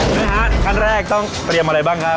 แม่ฮะขั้นแรกต้องเตรียมอะไรบ้างครับ